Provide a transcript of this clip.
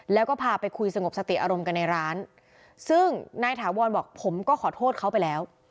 แล้วก็พาไปคุยสงบสติอารมณ์กันในร้านซึ่งนายถาวรบอกผมก็ขอโทษเขาไปแล้ว